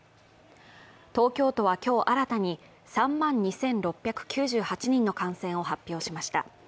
東京都は今日新たに３万２６９８人の感染を発表しました。